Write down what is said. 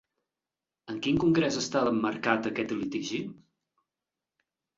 En quin congrés estava emmarcat aquest litigi?